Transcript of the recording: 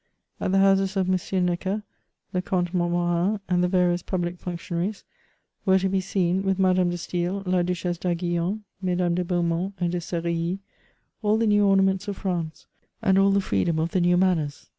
At the houses of M. Necker, Le Comte Montmorin, and the various public functionaries, were to be seen (with Madame de StaSl, L& Duchesse d*Aiguillon, Mesdames de Beau mont and de Serilly) all the new ornaments of France, and all the freedom of the new manners.